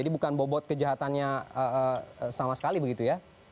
ini bukan bobot kejahatannya sama sekali begitu ya